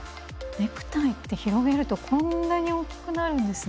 ネクタイって広げるとこんなに大きくなるんですね。